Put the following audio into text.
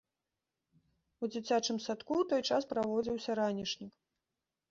У дзіцячым садку ў той час праводзіўся ранішнік.